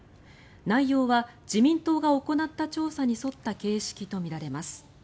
内容は自民党が行った調査に沿った形式とみられます。